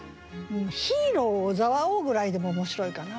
「ヒーロー小沢を」ぐらいでも面白いかな。